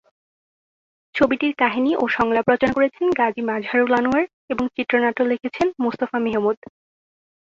ছবিটির কাহিনী ও সংলাপ রচনা করেছেন গাজী মাজহারুল আনোয়ার এবং চিত্রনাট্য লিখেছেন মোস্তফা মেহমুদ।